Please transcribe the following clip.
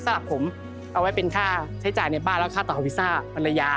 สำหรับผมเอาไว้เป็นค่าใช้จ่ายในบ้านและค่าต่อวีซ่าภรรยา